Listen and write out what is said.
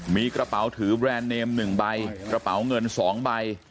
มีกระเป๋าถือแบรนด์เนม๑ใบกระเป๋าเงิน๒ใบ